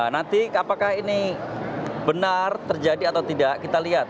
nanti apakah ini benar terjadi atau tidak kita lihat